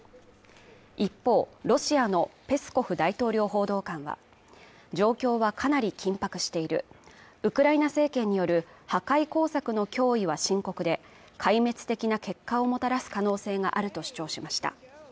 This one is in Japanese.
一方、ロシアのペスコフ大統領報道官は状況はかなり緊迫しているウクライナ政権による破壊工作の脅威は深刻で壊滅的な結果をもたらす可能性があると主張しました。